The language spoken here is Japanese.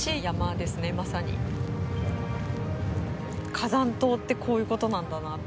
火山島ってこういう事なんだなって。